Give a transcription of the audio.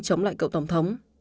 chống lại cậu tổng thống